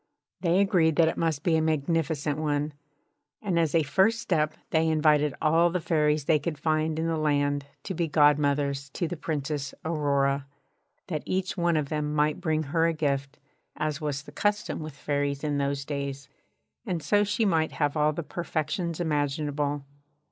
They agreed that it must be a magnificent one; and as a first step they invited all the Fairies they could find in the land to be godmothers to the Princess Aurora, that each one of them might bring her a gift, as was the [Pg 3]custom with Fairies in those days, and so she might have all the perfections imaginable.